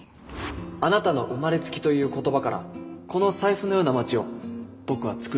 あなたの「生まれつき」という言葉からこの財布のような街を僕は作りたいと思いました。